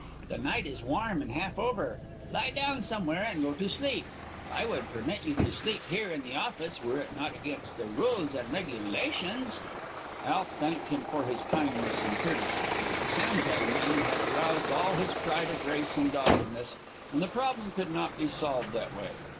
The night is warm and half over. Lie down somewhere and go to sleep. I would permit you to sleep here in the office, were it not against the rules and regulations." Alf thanked him for his kindness and courtesy; but the sampan men had aroused all his pride of race and doggedness, and the problem could not be solved that way.